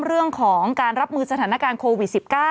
เรื่องของการรับมือสถานการณ์โควิด๑๙